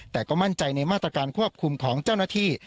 แต่ก็มั่นใจในมาตรการควบคุมของเจ้าหน้าที่